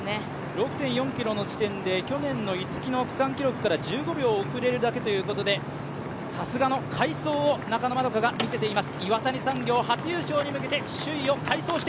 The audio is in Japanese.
６．４ｋｍの時点で去年の逸木の記録から１５秒遅れるだけということでさすがの快走を中野円花が見せています。